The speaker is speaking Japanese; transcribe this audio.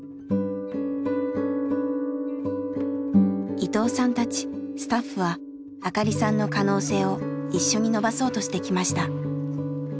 伊藤さんたちスタッフは明香里さんの可能性を一緒に伸ばそうとしてきました。